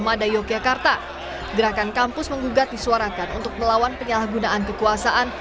mada yogyakarta gerakan kampus menggugat disuarakan untuk melawan penyalahgunaan kekuasaan